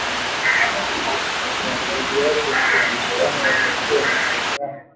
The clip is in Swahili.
Washambuliaji wasiojulikana waliokuwa na silaha wamewaua wanajeshi kumi na moja wa Burkina Faso na kuwajeruhi wanane